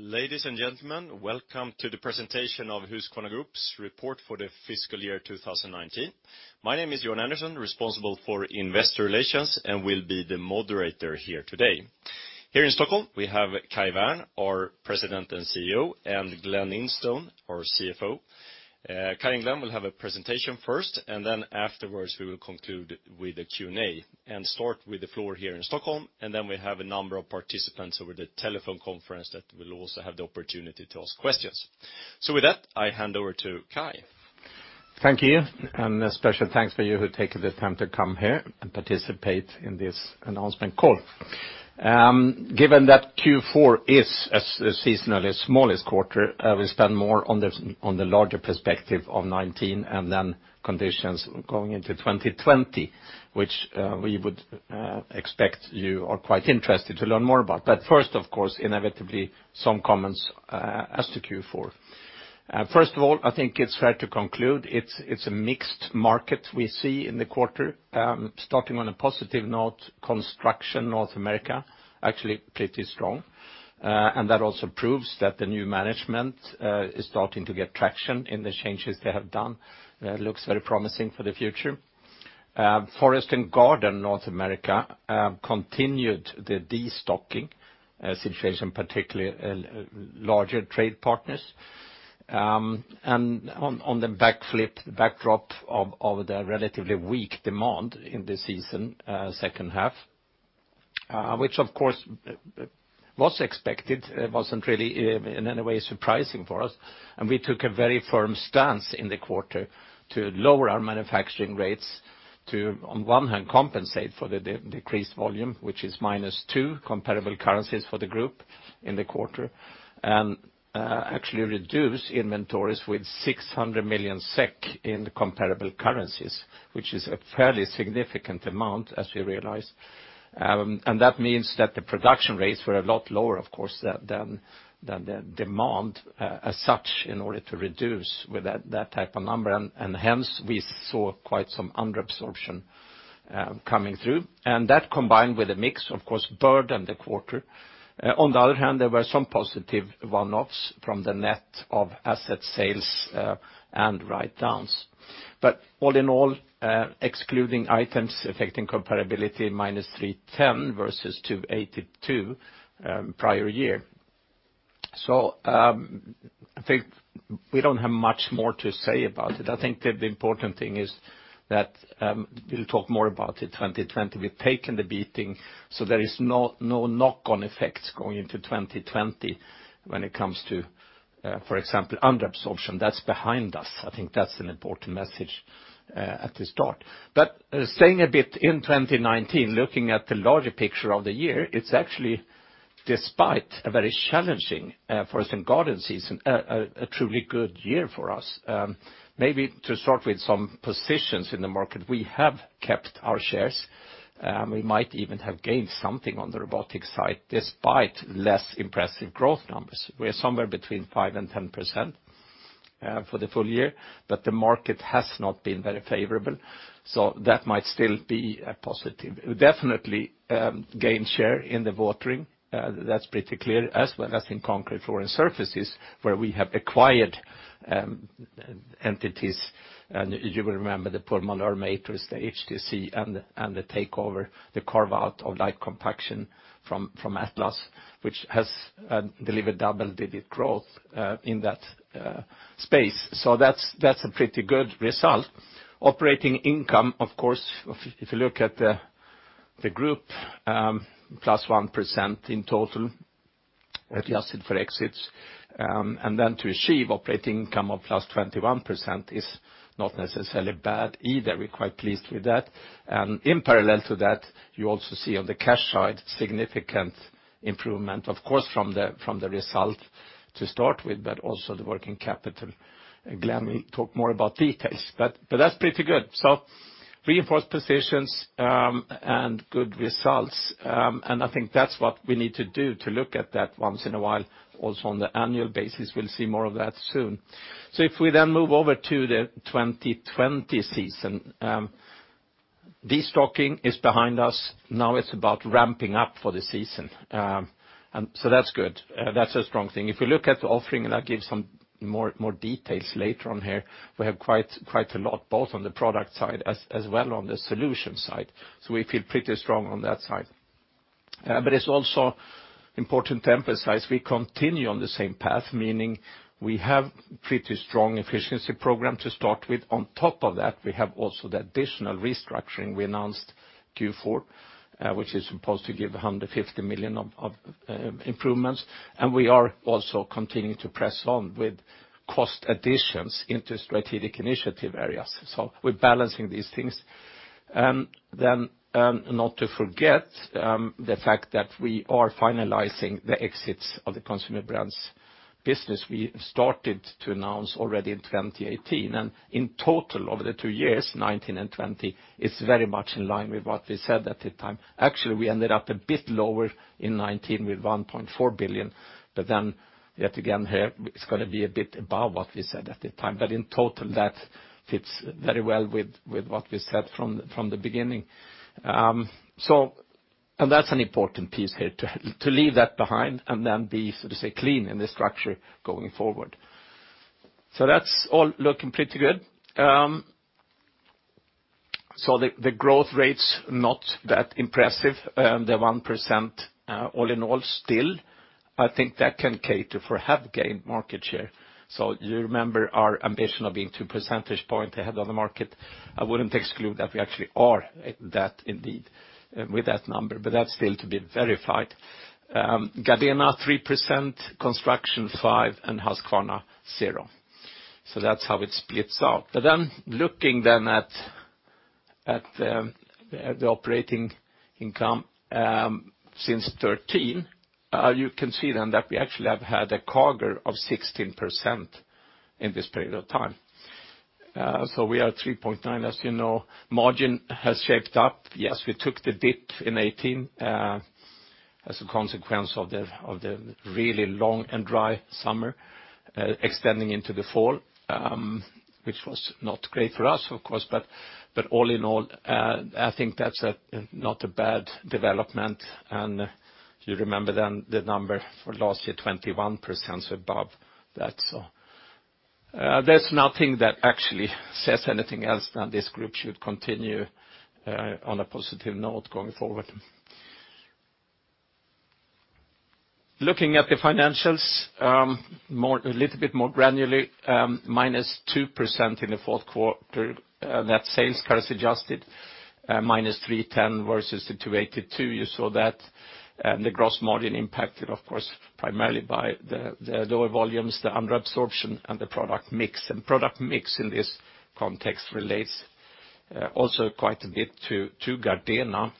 Ladies and gentlemen, welcome to the presentation of Husqvarna Group's report for the fiscal year 2019. My name is Johan Andersson, responsible for investor relations, will be the moderator here today. Here in Stockholm, we have Kai Wärn, our President and CEO, and Glen Instone, our CFO. Kai and Glen will have a presentation first, then afterwards we will conclude with a Q&A. Start with the floor here in Stockholm, then we have a number of participants over the telephone conference that will also have the opportunity to ask questions. With that, I hand over to Kai. Thank you. A special thanks for you who take the time to come here and participate in this announcement call. Given that Q4 is a seasonally smallest quarter, we spend more on the larger perspective of 2019, and then conditions going into 2020, which we would expect you are quite interested to learn more about. First, of course, inevitably, some comments as to Q4. First of all, I think it's fair to conclude it's a mixed market we see in the quarter. Starting on a positive note, Construction North America, actually pretty strong. That also proves that the new management is starting to get traction in the changes they have done. Looks very promising for the future. Forest and Garden North America continued the de-stocking situation, particularly larger trade partners. On the backdrop of the relatively weak demand in the season second half, which of course, was expected, wasn't really in any way surprising for us, we took a very firm stance in the quarter to lower our manufacturing rates to, on one hand, compensate for the decreased volume, which is minus two comparable currencies for the group in the quarter. Actually reduce inventories with 600 million SEK in the comparable currencies, which is a fairly significant amount, as we realize. That means that the production rates were a lot lower, of course, than the demand, as such, in order to reduce with that type of number. Hence, we saw quite some under-absorption coming through. That combined with a mix, of course, burdened the quarter. On the other hand, there were some positive one-offs from the net of asset sales and write-downs. All in all, excluding items affecting comparability, minus 310 versus 282 prior year. I think we don't have much more to say about it. I think the important thing is that we'll talk more about the 2020. We have taken the beating, so there is no knock-on effects going into 2020 when it comes to, for example, under-absorption. That's behind us. I think that's an important message at the start. Staying a bit in 2019, looking at the larger picture of the year, it's actually despite a very challenging forest and garden season, a truly good year for us. Maybe to start with some positions in the market. We have kept our shares, we might even have gained something on the robotics side, despite less impressive growth numbers. We are somewhere between 5% and 10% for the full year, but the market has not been very favorable. That might still be a positive. Definitely gained share in the watering. That's pretty clear. As well as in concrete floor and surfaces, where we have acquired entities, and you will remember the Pullman Ermator, the HTC, and the takeover, the carve-out of light compaction from Atlas, which has delivered double-digit growth in that space. That's a pretty good result. Operating income, of course, if you look at the group, plus 1% in total, adjusted for exits. To achieve operating income of plus 21% is not necessarily bad either. We're quite pleased with that. In parallel to that, you also see on the cash side, significant improvement, of course, from the result to start with, also the working capital. Glen will talk more about details, that's pretty good. Reinforced positions and good results, I think that's what we need to do to look at that once in a while. Also on the annual basis, we'll see more of that soon. If we move over to the 2020 season. Destocking is behind us. Now it's about ramping up for the season. That's good. That's a strong thing. If we look at the offering, I'll give some more details later on here, we have quite a lot, both on the product side as well on the solution side. We feel pretty strong on that side. It's also important to emphasize we continue on the same path, meaning we have pretty strong efficiency program to start with. On top of that, we have also the additional restructuring we announced Q4, which is supposed to give 150 million of improvements. We are also continuing to press on with cost additions into strategic initiative areas. We are balancing these things. Not to forget the fact that we are finalizing the exits of the consumer brands business we started to announce already in 2018. In total, over the two years, 2019 and 2020, it's very much in line with what we said at the time. Actually, we ended up a bit lower in 2019 with 1.4 billion. Yet again here, it's going to be a bit above what we said at the time. In total, that fits very well with what we said from the beginning. That's an important piece here to leave that behind and then be, so to say, clean in the structure going forward. That's all looking pretty good. The growth rate's not that impressive, the 1% all in all still, I think that can cater for have gained market share. You remember our ambition of being two percentage point ahead of the market. I wouldn't exclude that we actually are that indeed with that number, but that's still to be verified. Gardena, 3%, Construction, 5%, and Husqvarna, zero. That's how it splits out. Looking then at the operating income since 2013, you can see then that we actually have had a CAGR of 16% in this period of time. We are 3.9, as you know. Margin has shaped up. Yes, we took the dip in 2018, as a consequence of the really long and dry summer extending into the fall, which was not great for us, of course, but all in all, I think that's not a bad development. You remember the number for last year, 21%, so above that. There's nothing that actually says anything else than this group should continue on a positive note going forward. Looking at the financials a little bit more granularly, -2% in the fourth quarter. That's sales currency-adjusted, -310 versus the 282. You saw that the gross margin impacted, of course, primarily by the lower volumes, the under-absorption, and the product mix. Product mix in this context relates also quite a bit to Gardena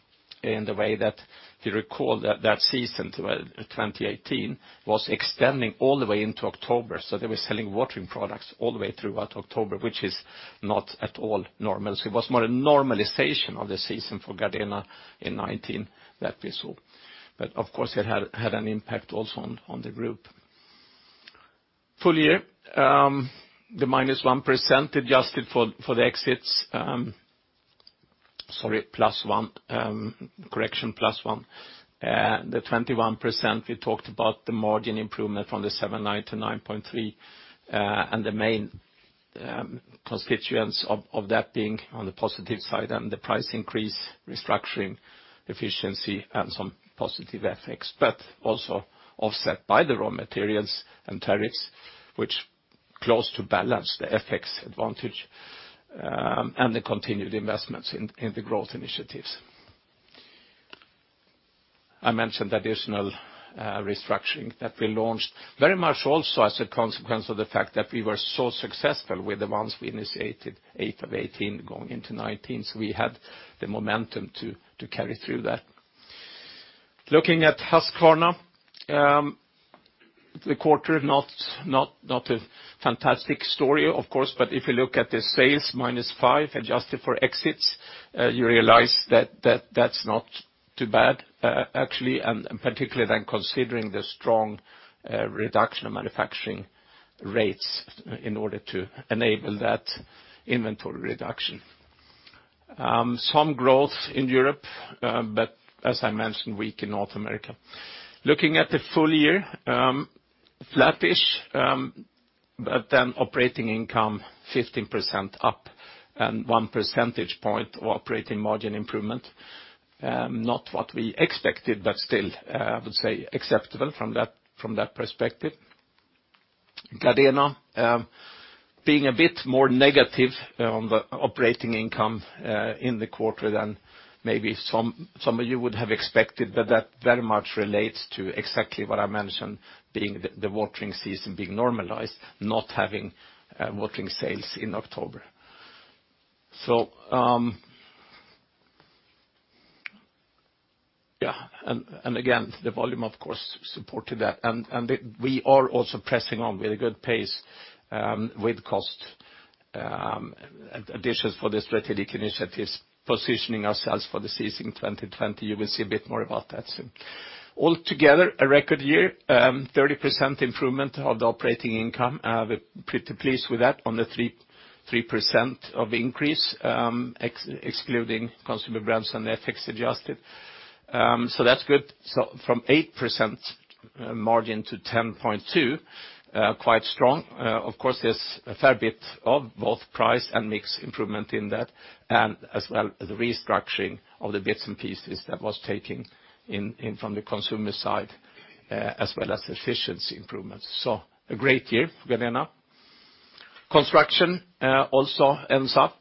in the way that if you recall that season, 2018, was extending all the way into October, so they were selling watering products all the way throughout October, which is not at all normal. It was more a normalization of the season for Gardena in 2019 that we saw. Of course, it had an impact also on the Group. Full year, the -1% adjusted for the exits. Sorry, +1. Correction, +1. The 21%, we talked about the margin improvement from the 7.9% to 9.3%, and the main constituents of that being on the positive side and the price increase, restructuring, efficiency, and some positive effects, but also offset by the raw materials and tariffs, which close to balance the effects advantage, and the continued investments in the growth initiatives. I mentioned additional restructuring that we launched very much also as a consequence of the fact that we were so successful with the ones we initiated 8 of 2018 going into 2019. We had the momentum to carry through that. Looking at Husqvarna, the quarter, not a fantastic story, of course, if you look at the sales minus 5%, adjusted for exits, you realize that's not too bad, actually, particularly then considering the strong reduction of manufacturing rates in order to enable that inventory reduction. Some growth in Europe, as I mentioned, weak in North America. Looking at the full year, flattish, operating income 15% up and one percentage point of operating margin improvement. Not what we expected, still I would say acceptable from that perspective. Gardena being a bit more negative on the operating income in the quarter than maybe some of you would have expected, that very much relates to exactly what I mentioned, being the watering season being normalized, not having watering sales in October. Yeah. Again, the volume of course supported that, and we are also pressing on with a good pace with cost additions for the strategic initiatives, positioning ourselves for the season 2020. You will see a bit more about that soon. Altogether, a record year, 30% improvement of the operating income. We're pretty pleased with that on the 3% of increase, excluding consumer brands and FX adjusted. That's good. From 8% margin to 10.2%. Quite strong. There's a fair bit of both price and mix improvement in that, and as well as restructuring of the bits and pieces that was taking in from the consumer side, as well as efficiency improvements. A great year for Gardena. Construction also ends up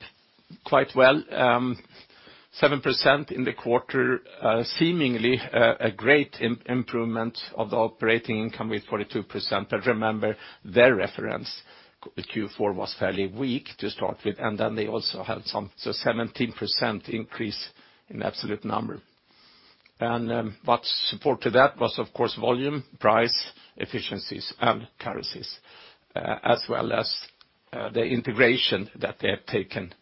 quite well, 7% in the quarter, seemingly a great improvement of the operating income with 42%. Remember, their reference Q4 was fairly weak to start with. 17% increase in absolute number. What supported that was of course volume, price, efficiencies, and currencies, as well as the integration that they have taken.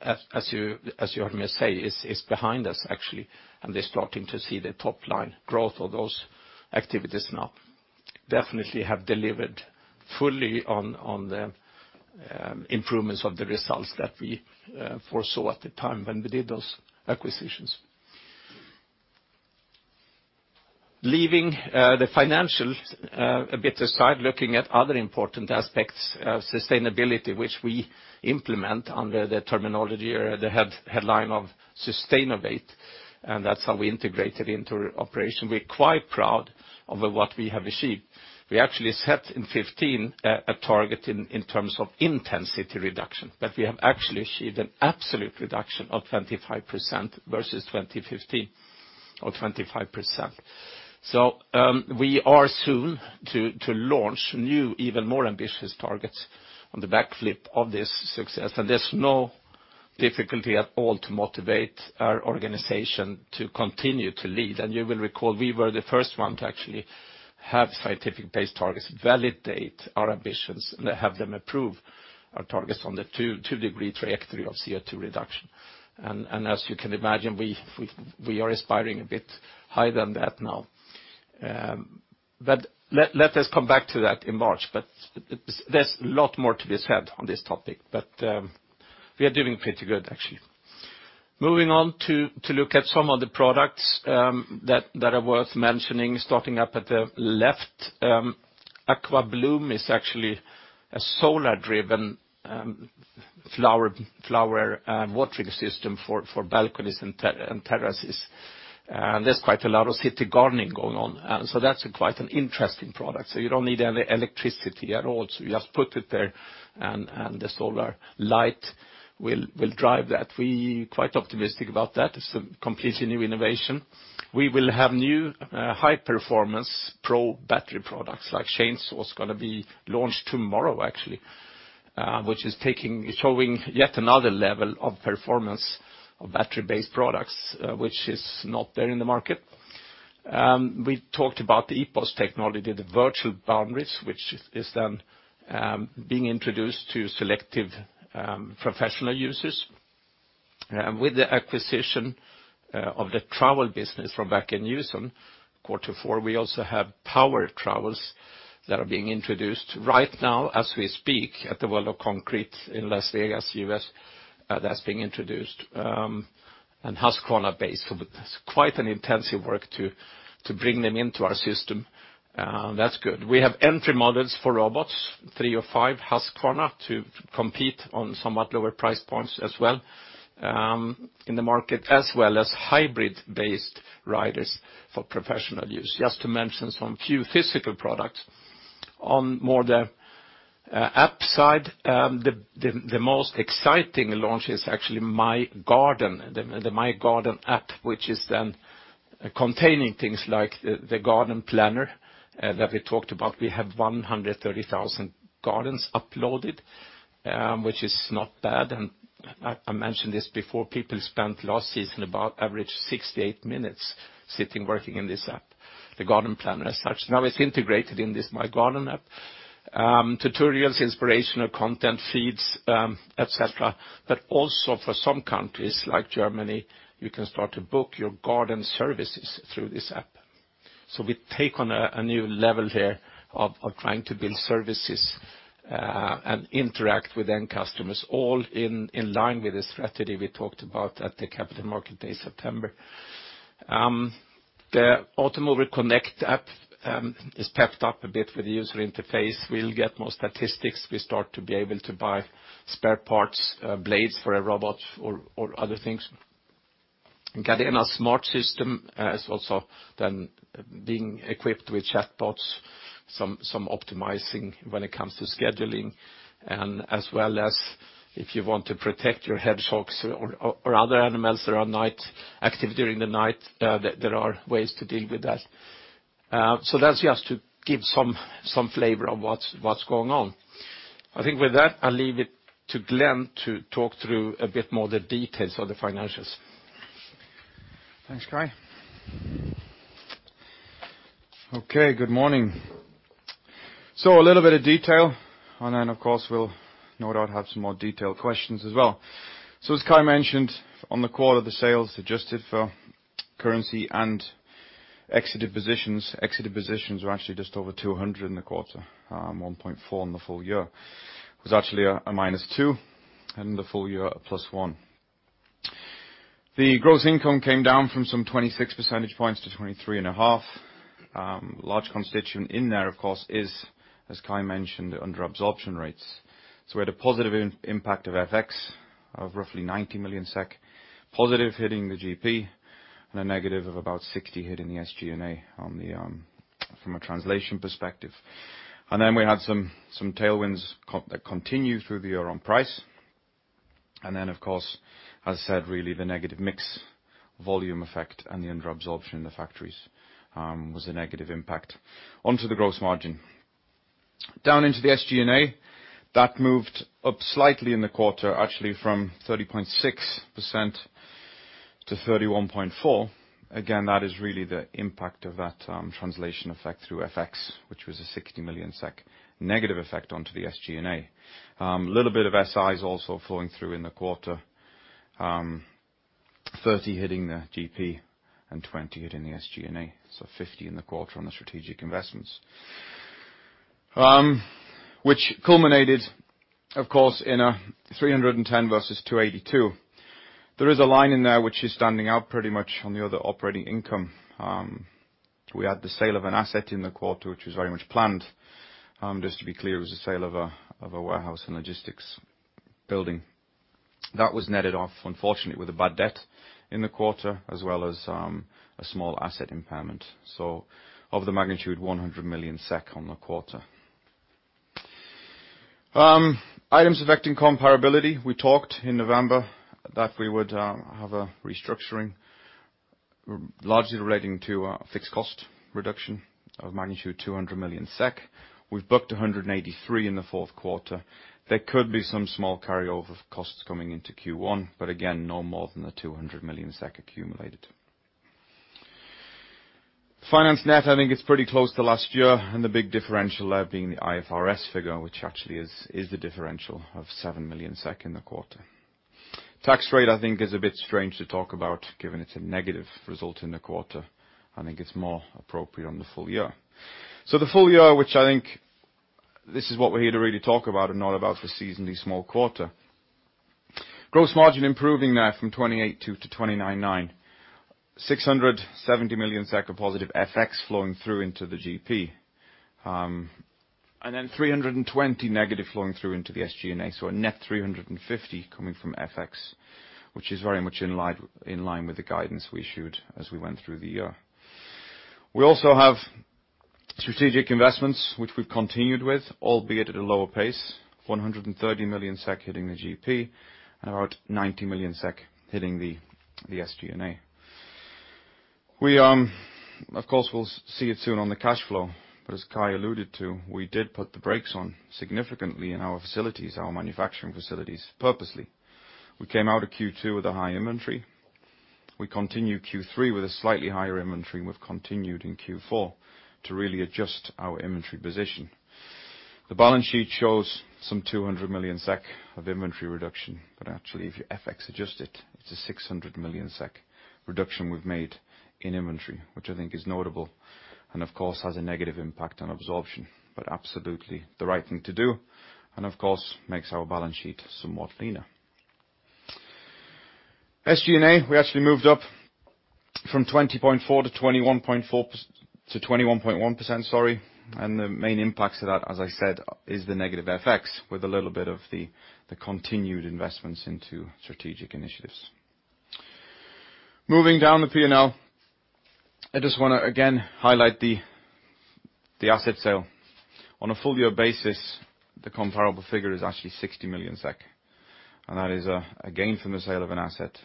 As you heard me say, is behind us actually, and they're starting to see the top-line growth of those activities now. Definitely have delivered fully on the improvements of the results that we foresaw at the time when we did those acquisitions. Leaving the financials a bit aside, looking at other important aspects of sustainability, which we implement under the terminology or the headline of Sustainovate, and that's how we integrate it into operation. We're quite proud of what we have achieved. We actually set in 2015, a target in terms of intensity reduction, but we have actually achieved an absolute reduction of 25% versus 2015, or 25%. We are soon to launch new, even more ambitious targets on the back of this success. There's no difficulty at all to motivate our organization to continue to lead. You will recall, we were the first one to actually have scientific-based targets, validate our ambitions, and have them approve our targets on the 2-degree trajectory of CO2 reduction. As you can imagine, we are aspiring a bit higher than that now. Let us come back to that in March. There's a lot more to be said on this topic. We are doing pretty good, actually. Moving on to look at some of the products that are worth mentioning. Starting up at the left, AquaBloom is actually a solar-driven flower watering system for balconies and terraces. There's quite a lot of city gardening going on, that's quite an interesting product. You don't need any electricity at all. You just put it there, the solar light will drive that. We are quite optimistic about that. It's a completely new innovation. We will have new high-performance pro-battery products, like chains, also going to be launched tomorrow actually, which is showing yet another level of performance of battery-based products which is not there in the market. We talked about the EPOS technology, the virtual boundaries, which is then being introduced to selective professional users. With the acquisition of the trowel business from Wacker Neuson, quarter four, we also have power trowels that are being introduced right now as we speak at the World of Concrete in Las Vegas, U.S. That's being introduced, Husqvarna based. It's quite an intensive work to bring them into our system. That's good. We have entry models for robots, three or five, Husqvarna, to compete on somewhat lower price points as well in the market, as well as hybrid-based riders for professional use, just to mention some few physical products. On more the app side, the most exciting launch is actually myGarden, the myGarden app, which is then containing things like the garden planner that we talked about. We have 130,000 gardens uploaded, which is not bad. I mentioned this before, people spent last season about average 68 minutes sitting working in this app, the garden planner as such. Now it's integrated in this myGarden app. Tutorials, inspirational content feeds, et cetera. Also for some countries, like Germany, you can start to book your garden services through this app. We take on a new level here of trying to build services, and interact with end customers, all in line with the strategy we talked about at the Capital Market Day in September. The Automower Connect app is pepped up a bit with the user interface. We'll get more statistics. We start to be able to buy spare parts, blades for a robot, or other things. GARDENA smart system is also being equipped with chatbots, some optimizing when it comes to scheduling, and as well as if you want to protect your hedgehogs or other animals that are active during the night, there are ways to deal with that. That's just to give some flavor of what's going on. I think with that, I'll leave it to Glen to talk through a bit more the details of the financials. Thanks, Kai. Good morning. A little bit of detail. Of course, we'll no doubt have some more detailed questions as well. As Kai mentioned, on the quarter, the sales adjusted for currency and exited positions. Exited positions were actually just over 200 in the quarter, 1.4 in the full year. It was actually a -2 in the full year, a +1. The gross income came down from some 26 percentage points to 23 and a half. Large constituent in there, of course, is, as Kai mentioned, under absorption rates. We had a positive impact of FX of roughly 90 million SEK, positive hitting the GP, and a negative of about 60 hitting the SG&A from a translation perspective. We had some tailwinds that continue through the year on price. Of course, as I said, really the negative mix volume effect and the under absorption in the factories was a negative impact onto the gross margin. Down into the SG&A, that moved up slightly in the quarter, actually from 30.6% to 31.4%. Again, that is really the impact of that translation effect through FX, which was a 60 million SEK negative effect onto the SG&A. Little bit of SIs also flowing through in the quarter, 30 hitting the GP and 20 hitting the SG&A, so 50 in the quarter on the strategic investments. Which culminated, of course, in a 310 versus 282. There is a line in there which is standing out pretty much on the other operating income. We had the sale of an asset in the quarter, which was very much planned. Just to be clear, it was a sale of a warehouse and logistics building. That was netted off, unfortunately, with a bad debt in the quarter, as well as a small asset impairment. Of the magnitude 100 million SEK on the quarter. Items affecting comparability. We talked in November that we would have a restructuring, largely relating to a fixed cost reduction of magnitude 200 million SEK. We've booked 183 in the fourth quarter. There could be some small carryover costs coming into Q1, but again, no more than the 200 million SEK accumulated. Finance net, I think it's pretty close to last year and the big differential there being the IFRS figure, which actually is the differential of 7 million SEK in the quarter. Tax rate, I think is a bit strange to talk about, given it's a negative result in the quarter. I think it's more appropriate on the full year. The full year, which I think this is what we're here to really talk about and not about the seasonally small quarter. Gross margin improving there from 28.2% to 29.9%. 670 million SEK of positive FX flowing through into the GP. 320 million negative flowing through into the SG&A. A net 350 million coming from FX, which is very much in line with the guidance we issued as we went through the year. We also have strategic investments, which we've continued with, albeit at a lower pace, 130 million SEK hitting the GP and about 90 million SEK hitting the SG&A. Of course, we'll see it soon on the cash flow. As Kai alluded to, we did put the brakes on significantly in our facilities, our manufacturing facilities purposely. We came out of Q2 with a high inventory. We continue Q3 with a slightly higher inventory. We've continued in Q4 to really adjust our inventory position. The balance sheet shows some 200 million SEK of inventory reduction, actually if you FX adjust it's a 600 million SEK reduction we have made in inventory, which I think is notable, of course has a negative impact on absorption, absolutely the right thing to do, of course makes our balance sheet somewhat leaner. SG&A, we actually moved up from 20.4% to 21.1%. The main impacts of that, as I said, is the negative FX with a little bit of the continued investments into strategic initiatives. Moving down the P&L, I just want to again highlight the asset sale. On a full-year basis, the comparable figure is actually 60 million SEK, and that is a gain from the sale of an asset,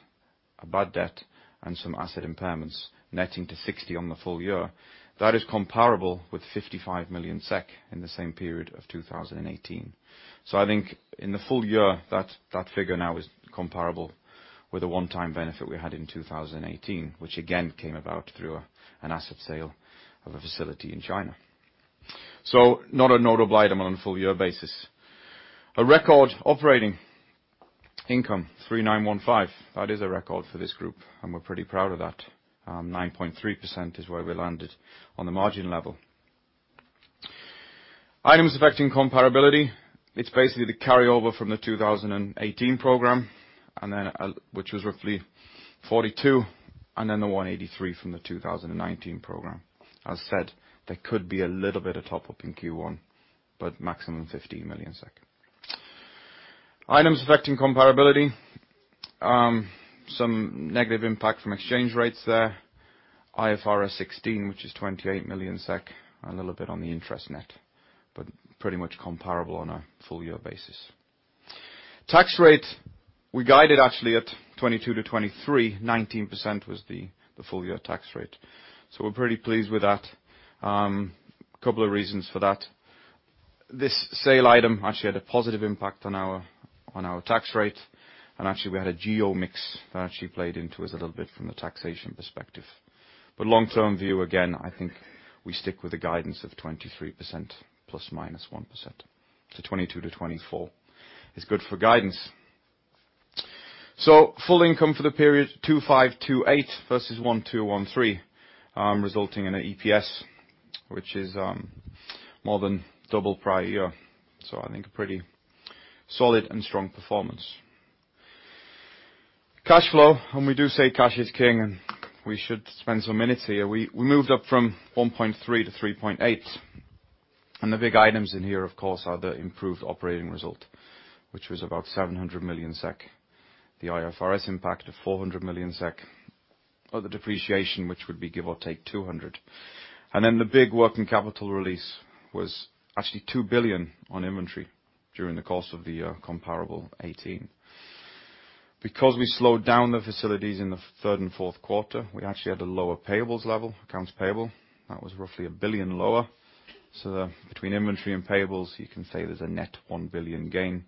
a bad debt, and some asset impairments netting to 60 on the full year. That is comparable with 55 million SEK in the same period of 2018. I think in the full year that figure now is comparable with a one-time benefit we had in 2018, which again came about through an asset sale of a facility in China. Not a notable item on a full-year basis. A record operating income, 3,915. That is a record for this group, and we're pretty proud of that. 9.3% is where we landed on the margin level. Items affecting comparability. It's basically the carryover from the 2018 program, which was roughly 42, and then the 183 from the 2019 program. As said, there could be a little bit of top-up in Q1, but maximum 15 million SEK. Items affecting comparability. Some negative impact from exchange rates there. IFRS 16, which is 28 million SEK, a little bit on the interest net, but pretty much comparable on a full-year basis. Tax rate we guided actually at 22% to 23%, 19% was the full year tax rate. We're pretty pleased with that. Couple of reasons for that. This sale item actually had a positive impact on our tax rate, and actually we had a geo mix that actually played into us a little bit from the taxation perspective. Long-term view, again, I think we stick with the guidance of 23% ±1%. 22%-24% is good for guidance. Full income for the period 2,528 versus 1,213 resulting in a EPS which is more than double prior year. I think a pretty solid and strong performance. Cash flow, we do say cash is king, we should spend some minutes here. We moved up from 1.3 to 3.8. The big items in here, of course, are the improved operating result, which was about 700 million SEK. The IFRS 16 impact of 400 million SEK or the depreciation, which would be give or take 200. The big working capital release was actually 2 billion on inventory during the course of the comparable 2018. We slowed down the facilities in the third and fourth quarter, we actually had a lower payables level, accounts payable. That was roughly 1 billion lower. Between inventory and payables, you can say there's a net 1 billion gain.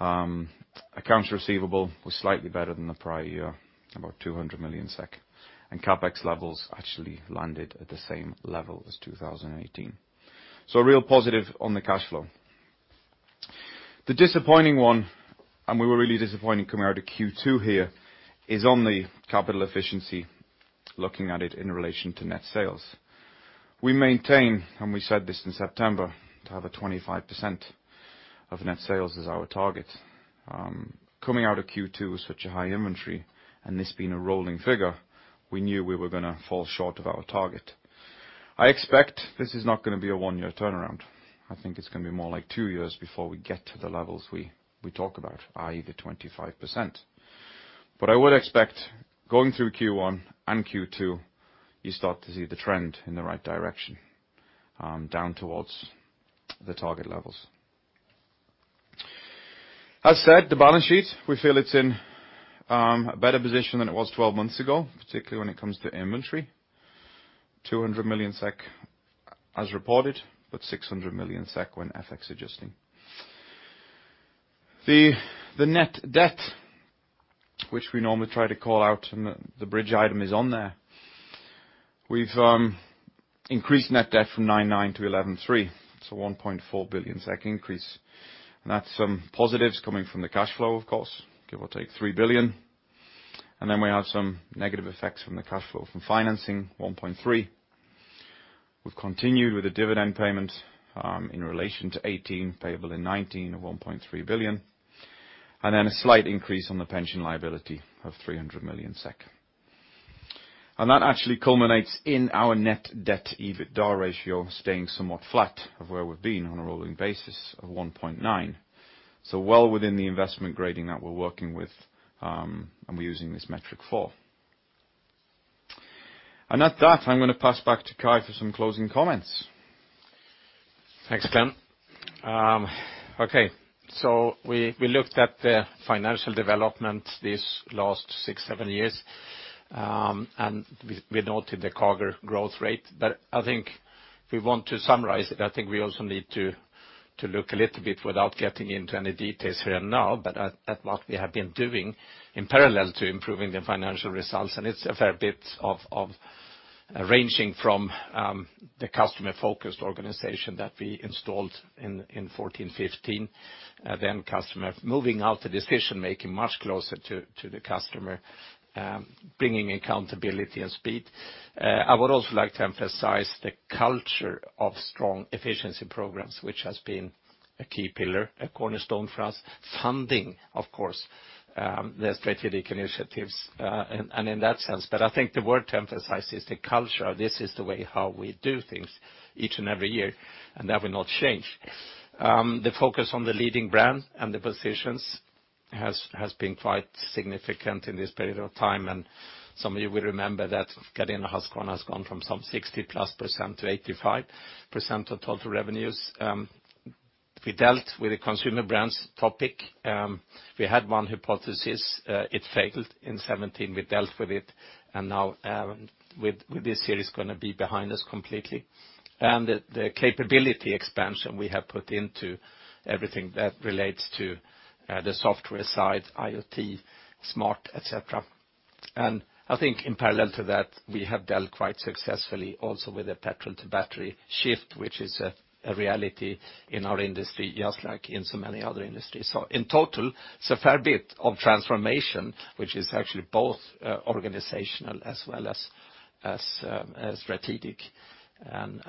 Accounts receivable was slightly better than the prior year, about 200 million SEK. CapEx levels actually landed at the same level as 2018. Real positive on the cash flow. The disappointing one, and we were really disappointed coming out of Q2 here, is on the capital efficiency, looking at it in relation to net sales. We maintain, and we said this in September, to have a 25% of net sales as our target. Coming out of Q2 with such a high inventory, and this being a rolling figure, we knew we were going to fall short of our target. I expect this is not going to be a one-year turnaround. I think it's going to be more like two years before we get to the levels we talk about, i.e., the 25%. I would expect going through Q1 and Q2, you start to see the trend in the right direction, down towards the target levels. As said, the balance sheet, we feel it's in a better position than it was 12 months ago, particularly when it comes to inventory. 200 million SEK as reported, but 600 million SEK when FX adjusting. The net debt, which we normally try to call out, the bridge item is on there. We've increased net debt from 99 to 113, so 1.4 billion SEK increase. That's some positives coming from the cash flow, of course, give or take 3 billion. We have some negative effects from the cash flow from financing, 1.3 billion. We've continued with the dividend payment, in relation to 2018, payable in 2019, of 1.3 billion. A slight increase on the pension liability of 300 million SEK. That actually culminates in our net debt, EBITDA ratio staying somewhat flat of where we’ve been on a rolling basis of 1.9. Well within the investment grading that we’re working with, and we’re using this metric for. At that, I’m going to pass back to Kai for some closing comments. Thanks, Glen. Okay. We looked at the financial development these last six, seven years, and we noted the CAGR growth rate. I think if we want to summarize it, I think we also need to look a little bit, without getting into any details here now, at what we have been doing in parallel to improving the financial results. It's a fair bit of ranging from the customer-focused organization that we installed in 2014, 2015. Customer moving out the decision-making much closer to the customer, bringing accountability and speed. I would also like to emphasize the culture of strong efficiency programs, which has been a key pillar, a cornerstone for us, funding, of course, the strategic initiatives, and in that sense. I think the word to emphasize is the culture. This is the way how we do things each and every year, and that will not change. The focus on the leading brand and the positions has been quite significant in this period of time. Some of you will remember that Gardena Husqvarna has gone from some 60%-plus to 85% of total revenues. We dealt with the consumer brands topic. We had one hypothesis. It failed in 2017. We dealt with it, and now with this year it's going to be behind us completely. The capability expansion we have put into everything that relates to the software side, IoT, smart, et cetera. I think in parallel to that, we have dealt quite successfully also with the petrol to battery shift, which is a reality in our industry, just like in so many other industries. In total, it's a fair bit of transformation, which is actually both organizational as well as strategic.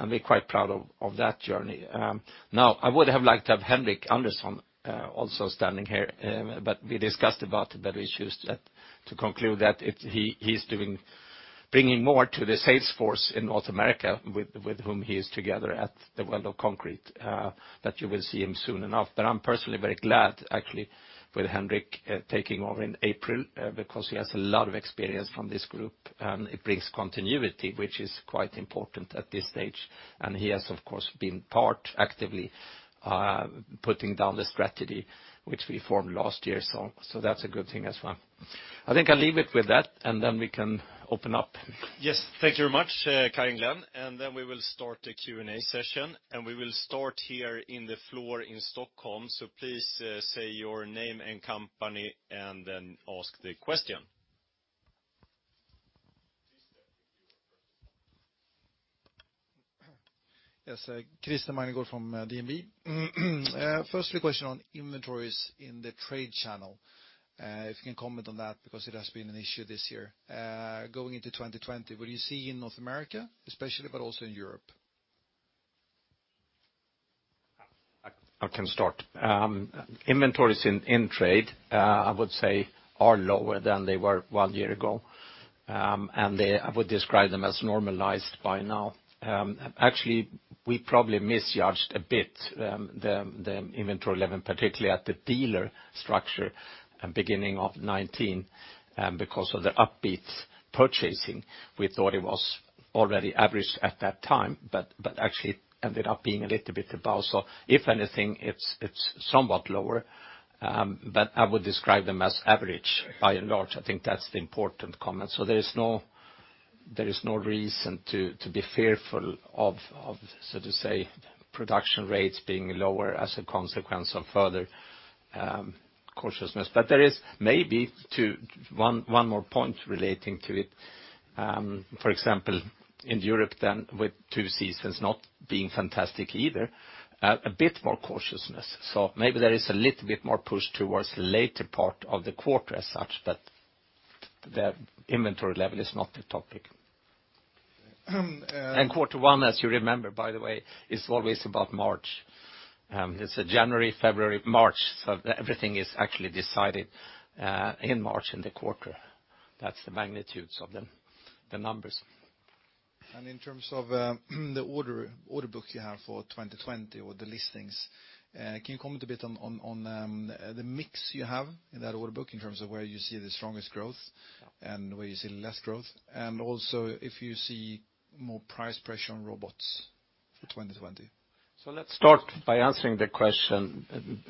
We're quite proud of that journey. I would have liked to have Henric Andersson also standing here, but we discussed about it, but we choose to conclude that he's bringing more to the sales force in North America with whom he is together at the World of Concrete, that you will see him soon enough. I'm personally very glad actually with Henric taking over in April, because he has a lot of experience from this group, and it brings continuity, which is quite important at this stage. He has, of course, been part actively putting down the strategy which we formed last year. That's a good thing as well. I think I'll leave it with that, and then we can open up. Yes. Thank you very much, Kai and Glen. We will start the Q&A session, and we will start here in the floor in Stockholm. Please say your name and company and then ask the question. Yes. Christer Magnergård from DNB. First question on inventories in the trade channel, if you can comment on that, because it has been an issue this year. Going into 2020, what do you see in North America, especially, but also in Europe? I can start. Inventories in trade, I would say, are lower than they were one year ago, and I would describe them as normalized by now. Actually, we probably misjudged a bit the inventory level, particularly at the dealer structure beginning of 2019, because of the upbeat purchasing. We thought it was already average at that time, but actually it ended up being a little bit above. If anything, it's somewhat lower, but I would describe them as average by and large. I think that's the important comment. There is no reason to be fearful of, so to say, production rates being lower as a consequence of further cautiousness. There is maybe one more point relating to it. For example, in Europe then, with two seasons not being fantastic either, a bit more cautiousness. Maybe there is a little bit more push towards the later part of the quarter as such, but the inventory level is not the topic. Quarter one, as you remember, by the way, is always about March. It’s January, February, March, everything is actually decided in March in the quarter. That’s the magnitudes of the numbers. In terms of the order books you have for 2020 or the listings, can you comment a bit on the mix you have in that order book in terms of where you see the strongest growth and where you see less growth? Also, if you see more price pressure on robots for 2020. Let's start by answering the question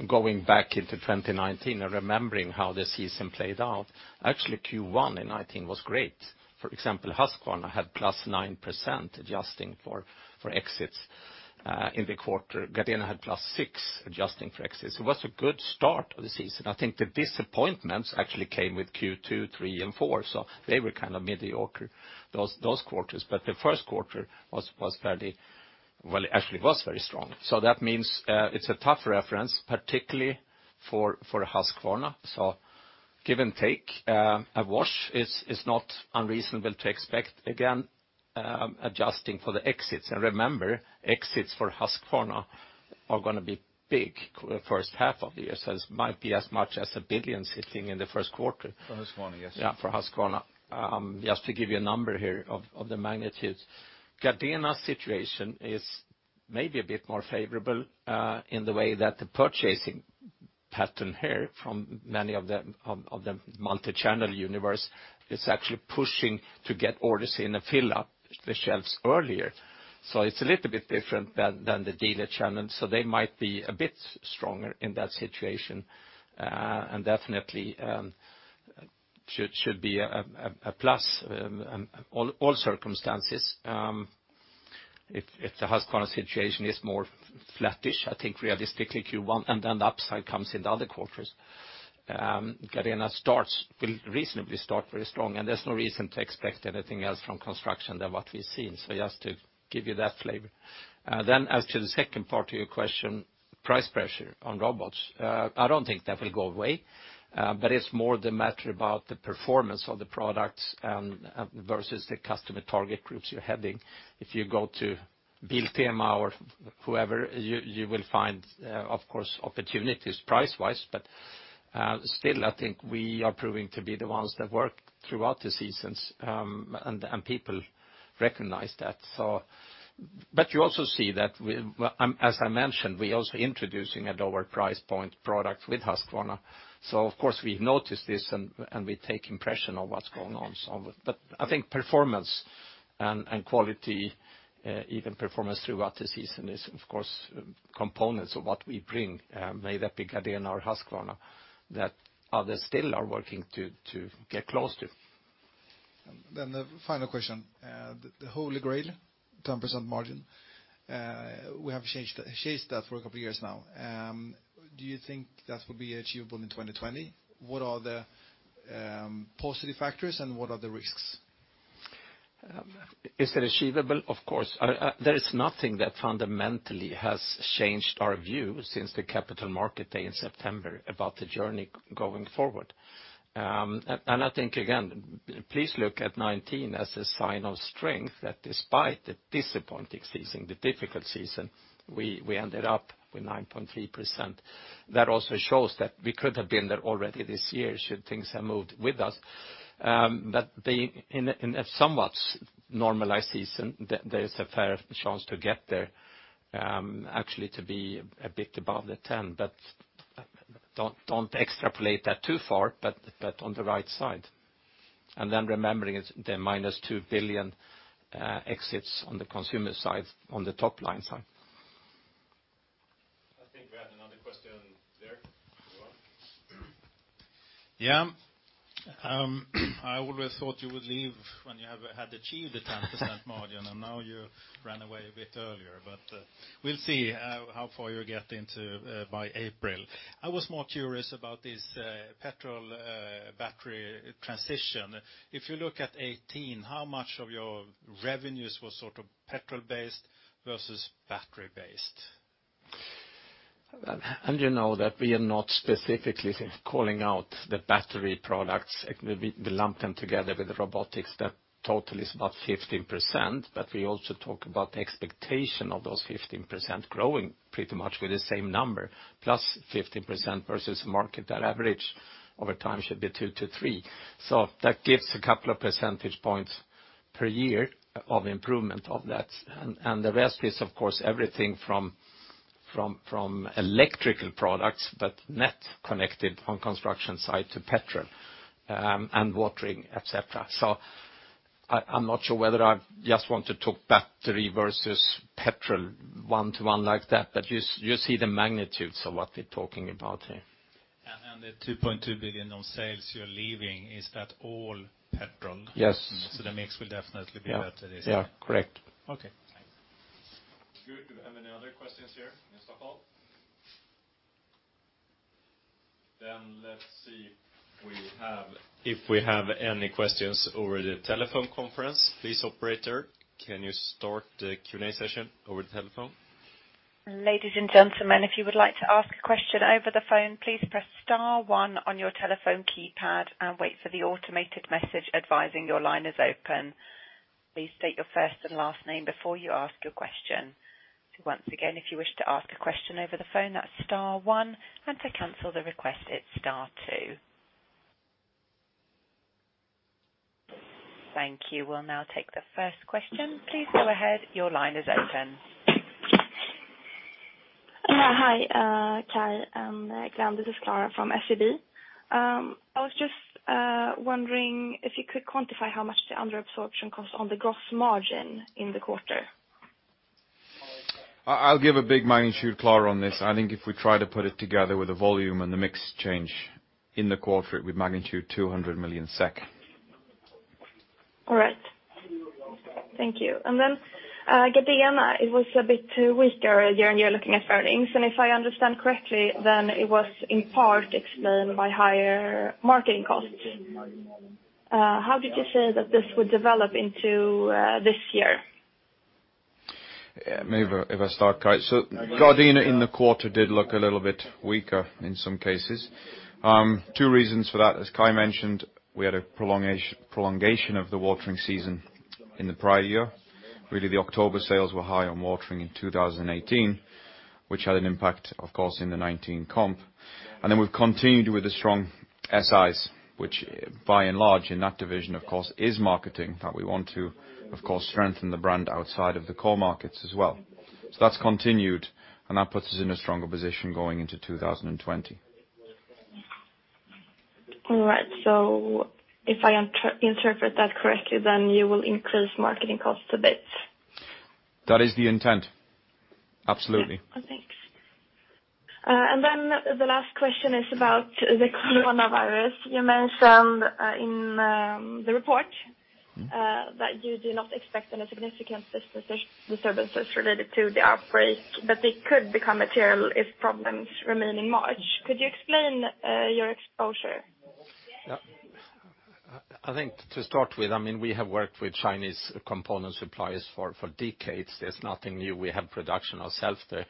going back into 2019 and remembering how the season played out. Actually, Q1 in 2019 was great. For example, Husqvarna had +9% adjusting for exits in the quarter. Gardena had +6% adjusting for exits. It was a good start of the season. I think the disappointments actually came with Q2, three, and four, so they were kind of mediocre, those quarters. The first quarter actually was very strong. That means it's a tough reference, particularly for Husqvarna. Give and take, a wash is not unreasonable to expect, again, adjusting for the exits. Remember, exits for Husqvarna are going to be big first half of the year, so it might be as much as 1 billion sitting in the first quarter. For Husqvarna, yes. Yeah, for Husqvarna. Just to give you a number here of the magnitudes. Gardena's situation is maybe a bit more favorable in the way that the purchasing pattern here from many of the multi-channel universe is actually pushing to get orders in and fill up the shelves earlier. It's a little bit different than the dealer channel, so they might be a bit stronger in that situation. Definitely should be a plus in all circumstances. If the Husqvarna situation is more flattish, I think realistically Q1 and then the upside comes in the other quarters. Gardena will reasonably start very strong, and there's no reason to expect anything else from construction than what we've seen. Just to give you that flavor. As to the second part of your question, price pressure on robots. I don't think that will go away. It's more the matter about the performance of the products versus the customer target groups you're heading. If you go to Biltema or whoever, you will find, of course, opportunities price-wise, but still, I think we are proving to be the ones that work throughout the seasons, and people recognize that. You also see that, as I mentioned, we're also introducing a lower price point product with Husqvarna. Of course, we've noticed this, and we take impression of what's going on. I think performance and quality, even performance throughout the season is, of course, components of what we bring, made up at Gardena or Husqvarna, that others still are working to get close to. The final question. The holy grail, 10% margin. We have chased that for a couple of years now. Do you think that will be achievable in 2020? What are the positive factors, and what are the risks? Is it achievable? Of course. There is nothing that fundamentally has changed our view since the capital market day in September about the journey going forward. I think, again, please look at 2019 as a sign of strength that despite the disappointing season, the difficult season, we ended up with 9.3%. That also shows that we could have been there already this year should things have moved with us. In a somewhat normalized season, there is a fair chance to get there actually to be a bit above the 10, but don't extrapolate that too far, but on the right side. Then remembering the minus 2 billion exits on the consumer side, on the top line side. I think we had another question there. Go on. Yeah. I always thought you would leave when you had achieved the 10% margin. Now you ran away a bit earlier, but we'll see how far you get by April. I was more curious about this petrol-battery transition. If you look at 2018, how much of your revenues were petrol-based versus battery-based? You know that we are not specifically calling out the battery products. We lump them together with the robotics. That total is about 15%, but we also talk about the expectation of those 15% growing pretty much with the same number, +15% versus market. That average over time should be two to three. That gives a couple of percentage points per year of improvement of that. The rest is, of course, everything from electrical products, but net connected on construction site to petrol and watering, et cetera. I am not sure whether I just want to talk battery versus petrol one-to-one like that, but you see the magnitudes of what we are talking about here. The 2.2 billion on sales you're leaving, is that all petrol? Yes. The mix will definitely be better this year. Yeah. Correct. Okay, thanks. Good. Do we have any other questions here in Stockholm? Let's see if we have any questions over the telephone conference. Please, operator, can you start the Q&A session over the telephone? Ladies and gentlemen, if you would like to ask a question over the phone, please press star one on your telephone keypad and wait for the automated message advising your line is open. Please state your first and last name before you ask your question. Once again, if you wish to ask a question over the phone, that's star one, and to cancel the request, it's star two. Thank you. We'll now take the first question. Please go ahead. Your line is open. Hi, Kai and Glen. This is Clara from SEB. I was just wondering if you could quantify how much the under-absorption cost on the gross margin in the quarter. I'll give a big magnitude, Clara, on this. I think if we try to put it together with the volume and the mix change in the quarter, it would magnitude 200 million SEK. All right. Thank you. Gardena, it was a bit weaker year-on-year looking at earnings, and if I understand correctly, then it was in part explained by higher marketing costs. How did you say that this would develop into this year? Maybe if I start, Kai. Gardena in the quarter did look a little bit weaker in some cases. Two reasons for that. As Kai mentioned, we had a prolongation of the watering season in the prior year. Really, the October sales were high on watering in 2018, which had an impact, of course, in the 2019 comp. We've continued with the strong SIs, which by and large in that division, of course, is marketing that we want to, of course, strengthen the brand outside of the core markets as well. That's continued, and that puts us in a stronger position going into 2020. All right. If I interpret that correctly, you will increase marketing costs a bit. That is the intent, absolutely. Yeah. Thanks. Then the last question is about the coronavirus. You mentioned in the report that you do not expect any significant disturbances related to the outbreak, but they could become material if problems remain in March. Could you explain your exposure? I think to start with, we have worked with Chinese component suppliers for decades. There's nothing new. We have production ourselves there.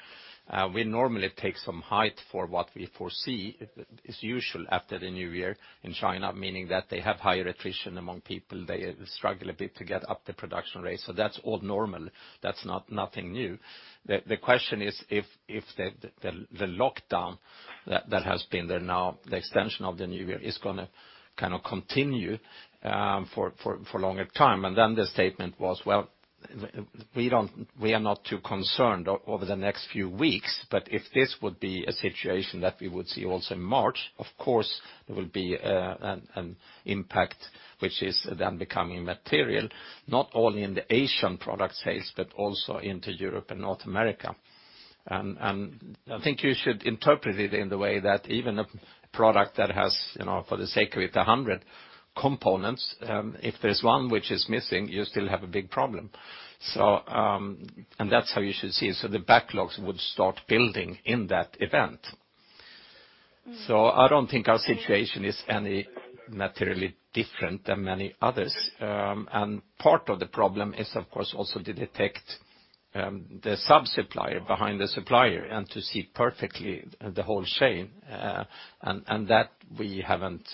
We normally take some height for what we foresee is usual after the new year in China, meaning that they have higher attrition among people. They struggle a bit to get up the production rate. That's all normal. That's nothing new. The question is if the lockdown that has been there now, the extension of the new year is going to kind of continue for longer time. The statement was, well, we are not too concerned over the next few weeks, but if this would be a situation that we would see also in March, of course, there will be an impact which is then becoming material, not only in the Asian product sales, but also into Europe and North America. I think you should interpret it in the way that even a product that has, for the sake of it, 100 components, if there's one which is missing, you still have a big problem. That's how you should see it. The backlogs would start building in that event. I don't think our situation is any materially different than many others. Part of the problem is, of course, also to detect the sub-supplier behind the supplier and to see perfectly the whole chain, and that we haven't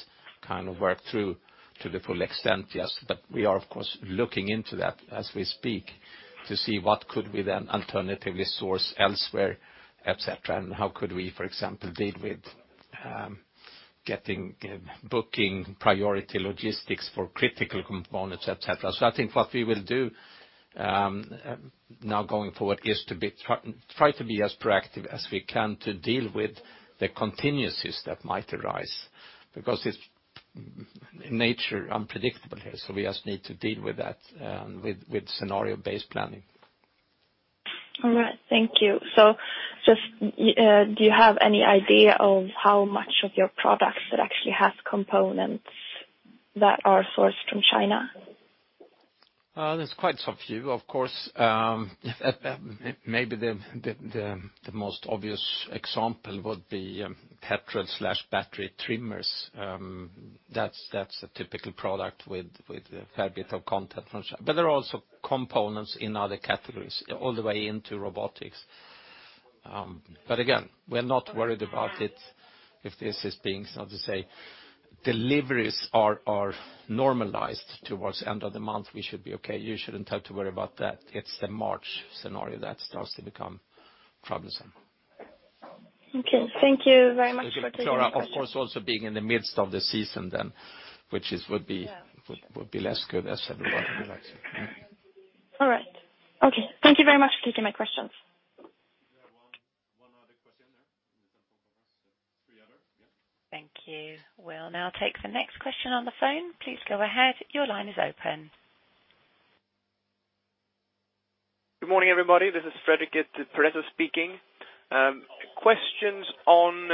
worked through to the full extent yet. We are, of course, looking into that as we speak to see what could we then alternatively source elsewhere, et cetera, and how could we, for example, deal with booking priority logistics for critical components, et cetera. I think what we will do now going forward is to try to be as proactive as we can to deal with the contingencies that might arise, because its nature unpredictable here. We just need to deal with that with scenario-based planning. All right. Thank you. Just do you have any idea of how much of your products that actually have components that are sourced from China? There's quite some few, of course. Maybe the most obvious example would be petrol/battery trimmers. That's a typical product with a fair bit of content from China. There are also components in other categories, all the way into robotics. Again, we are not worried about it if this is being, so to say, deliveries are normalized towards the end of the month, we should be okay. You shouldn't have to worry about that. It's the March scenario that starts to become troublesome. Okay. Thank you very much for taking my question. Clara, of course, also being in the midst of the season then, which would be less good as everybody would like to. All right. Okay. Thank you very much for taking my questions. We have one other question there from the telephone. Three others. Yeah. Thank you. We'll now take the next question on the phone. Please go ahead. Your line is open. Good morning, everybody. This is Frederick Perez speaking. Questions on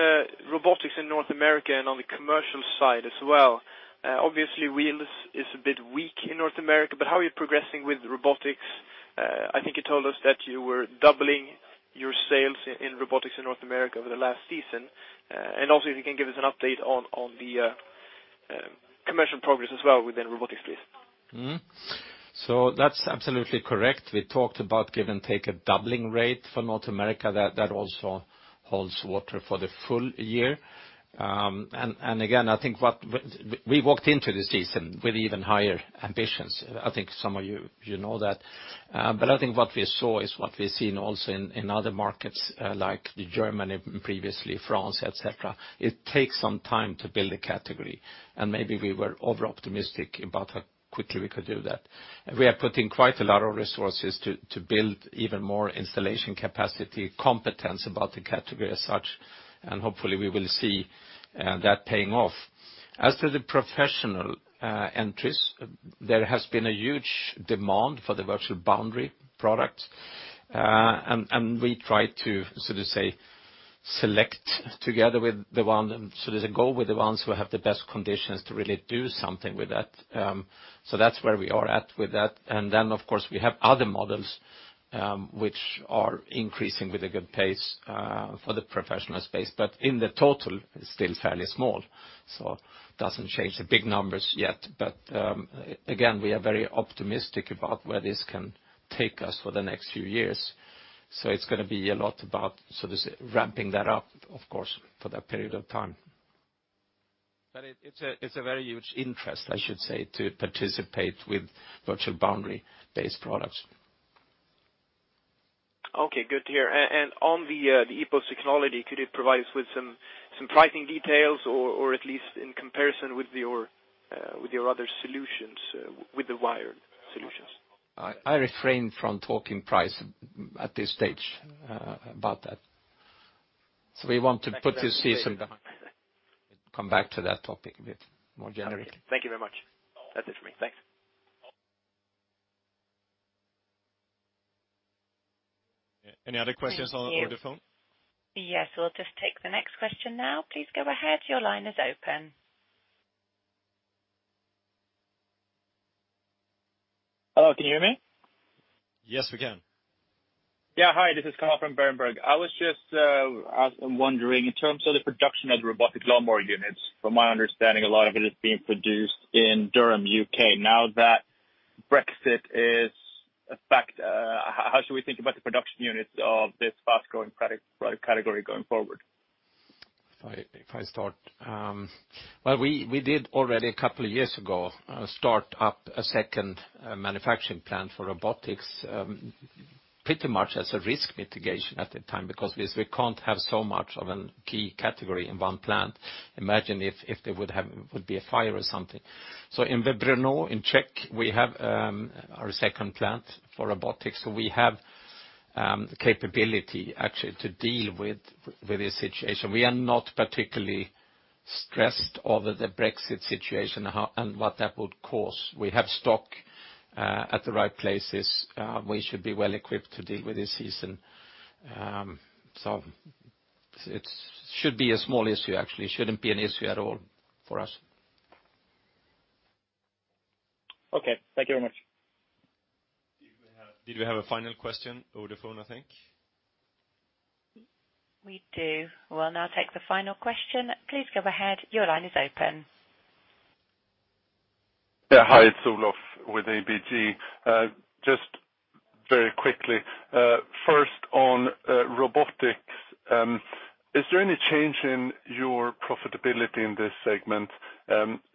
robotics in North America and on the commercial side as well. Obviously, wheels is a bit weak in North America, but how are you progressing with robotics? I think you told us that you were doubling your sales in robotics in North America over the last season. Also, if you can give us an update on the commercial progress as well within robotics, please. That's absolutely correct. We talked about give and take a doubling rate for North America. Again, I think we walked into this season with even higher ambitions. I think some of you know that. I think what we saw is what we've seen also in other markets like Germany, previously France, et cetera. It takes some time to build a category, and maybe we were over-optimistic about how quickly we could do that. We are putting quite a lot of resources to build even more installation capacity, competence about the category as such, and hopefully we will see that paying off. As to the professional entries, there has been a huge demand for the virtual boundary product. We try to select together with the ones who have the best conditions to really do something with that. That's where we are at with that. Of course, we have other models, which are increasing with a good pace for the professional space. In the total, it's still fairly small, so doesn't change the big numbers yet. Again, we are very optimistic about where this can take us for the next few years. It's going to be a lot about ramping that up, of course, for that period of time. It's a very huge interest, I should say, to participate with virtual boundary-based products. Okay, good to hear. On the EPOS technology, could you provide us with some pricing details or at least in comparison with your other solutions, with the wired solutions? I refrain from talking price at this stage about that. We want to put this season behind us and come back to that topic a bit more generally. Thank you very much. That's it for me. Thanks. Any other questions on the phone? Yes, we'll just take the next question now. Please go ahead. Your line is open. Hello, can you hear me? Yes, we can. Yeah. Hi, this is Carl from Berenberg. I was just wondering, in terms of the production of the robotic lawnmower units, from my understanding, a lot of it is being produced in Durham, U.K. Now that Brexit is a fact, how should we think about the production units of this fast-growing product category going forward? If I start. Well, we did already, a couple of years ago, start up a second manufacturing plant for robotics, pretty much as a risk mitigation at the time, because we can't have so much of a key category in one plant. Imagine if there would be a fire or something. In Brno, in Czech, we have our second plant for robotics. We have capability actually to deal with this situation. We are not particularly stressed over the Brexit situation and what that would cause. We have stock at the right places. We should be well equipped to deal with this season. It should be a small issue, actually. It shouldn't be an issue at all for us. Okay. Thank you very much. Did we have a final question over the phone, I think? We do. We'll now take the final question. Please go ahead. Your line is open. Yeah. Hi, it's Olof with ABG. Just very quickly, first on robotics, is there any change in your profitability in this segment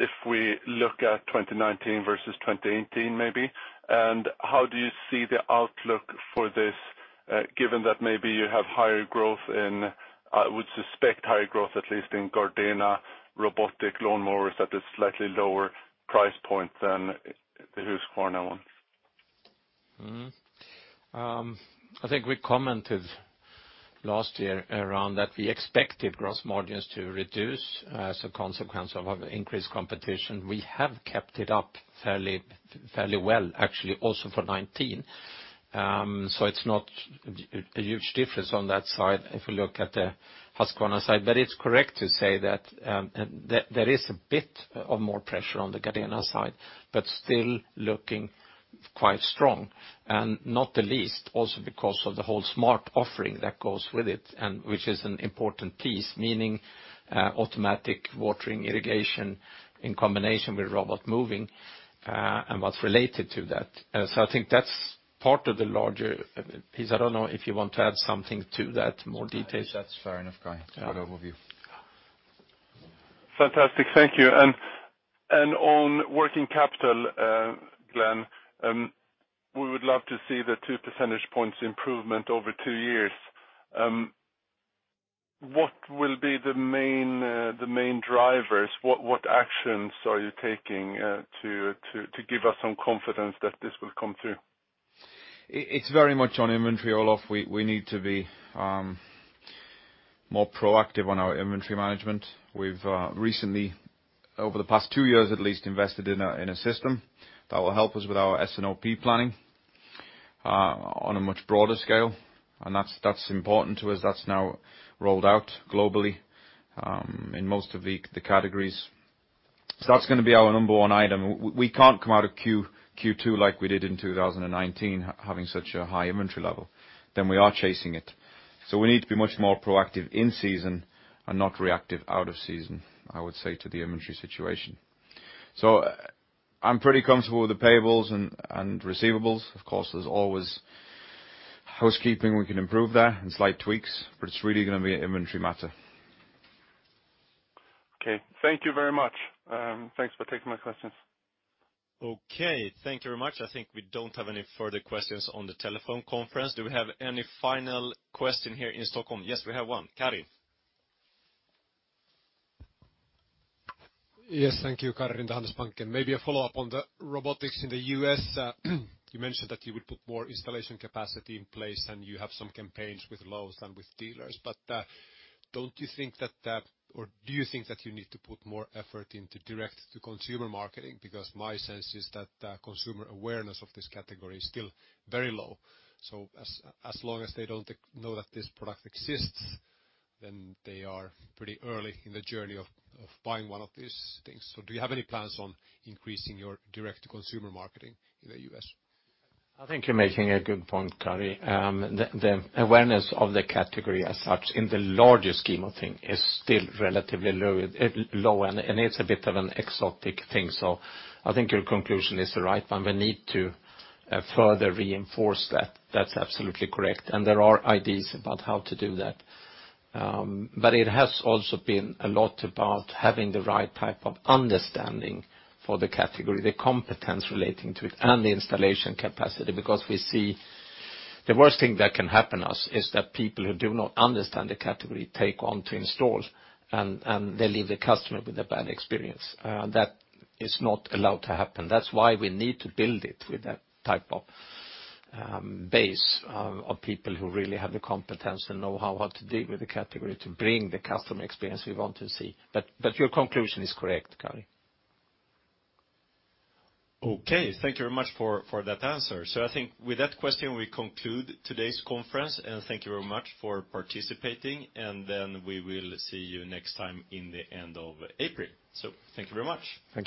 if we look at 2019 versus 2018, maybe? How do you see the outlook for this, given that maybe you have higher growth, I would suspect higher growth, at least in Gardena robotic lawnmowers at a slightly lower price point than the Husqvarna one. I think we commented last year around that we expected gross margins to reduce as a consequence of increased competition. We have kept it up fairly well, actually, also for 2019. It's not a huge difference on that side if you look at the Husqvarna side. It's correct to say that there is a bit of more pressure on the Gardena side, but still looking quite strong. Not the least also because of the whole smart offering that goes with it, and which is an important piece, meaning automatic watering, irrigation in combination with robot moving, and what's related to that. I think that's part of the larger piece. I don't know if you want to add something to that, more details. That's fair enough, Kai. It's a good overview. Fantastic. Thank you. On working capital, Glen, we would love to see the two percentage points improvement over two years. What will be the main drivers? What actions are you taking to give us some confidence that this will come through? It's very much on inventory, Olof. We need to be More proactive on our inventory management. We've recently, over the past two years at least, invested in a system that will help us with our S&OP planning on a much broader scale, and that's important to us. That's now rolled out globally in most of the categories. That's going to be our number 1 item. We can't come out of Q2 like we did in 2019, having such a high inventory level. We are chasing it. We need to be much more proactive in season and not reactive out of season, I would say to the inventory situation. I'm pretty comfortable with the payables and receivables. Of course, there's always housekeeping. We can improve there and slight tweaks, but it's really going to be an inventory matter. Okay. Thank you very much. Thanks for taking my questions. Okay. Thank you very much. I think we don't have any further questions on the telephone conference. Do we have any final question here in Stockholm? Yes, we have one. Kari. Yes, thank you. Kari from Handelsbanken. Maybe a follow-up on the robotics in the U.S. You mentioned that you would put more installation capacity in place, and you have some campaigns with Lowe's and with dealers. Don't you think that, or do you think that you need to put more effort into direct-to-consumer marketing? Because my sense is that consumer awareness of this category is still very low. As long as they don't know that this product exists, then they are pretty early in the journey of buying one of these things. Do you have any plans on increasing your direct-to-consumer marketing in the U.S.? I think you're making a good point, Kari. The awareness of the category as such in the larger scheme of things is still relatively low, and it's a bit of an exotic thing. I think your conclusion is the right one. We need to further reinforce that. That's absolutely correct. There are ideas about how to do that. It has also been a lot about having the right type of understanding for the category, the competence relating to it, and the installation capacity. Because we see the worst thing that can happen to us is that people who do not understand the category take on to install, and they leave the customer with a bad experience. That is not allowed to happen. That's why we need to build it with that type of base of people who really have the competence and know how to deal with the category to bring the customer experience we want to see. Your conclusion is correct, Kari. Okay, thank you very much for that answer. I think with that question, we conclude today's conference. Thank you very much for participating. We will see you next time in the end of April. Thank you very much. Thank you.